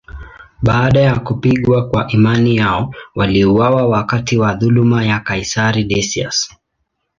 Baada ya kupigwa kwa imani yao, waliuawa wakati wa dhuluma ya kaisari Decius.